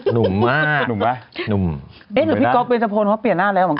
เหงื่อพี่ก๊อบเฮร่สะพนเพลินหน้าแล้วไหม